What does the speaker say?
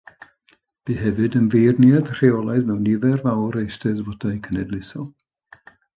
Bu hefyd yn feirniad rheolaidd mewn nifer fawr o eisteddfodau cenedlaethol.